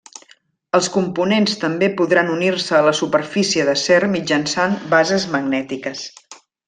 Els components també podran unir-se a la superfície d'acer mitjançant bases magnètiques.